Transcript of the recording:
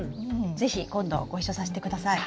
是非今度ご一緒させてください。